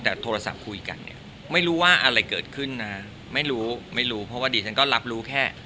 แต่โทรศัพท์คุยกันเนี่ยไม่รู้ว่าอะไรเกิดขึ้นนะไม่รู้ไม่รู้เพราะว่าดีฉันก็รับรู้แค่